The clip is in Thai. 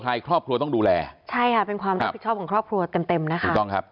ครอบครัวต้องดูแลใช่ค่ะเป็นความรับผิดชอบของครอบครัวเต็มเต็มนะคะถูกต้องครับ